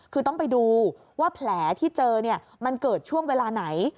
คือต้องไปดูว่าแผลที่เจอมันเกิดช่วงเวลาไหน